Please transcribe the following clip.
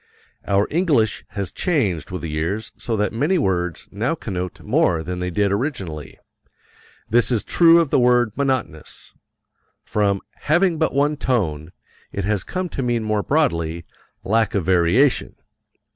Our English has changed with the years so that many words now connote more than they did originally. This is true of the word monotonous. From "having but one tone," it has come to mean more broadly, "lack of variation."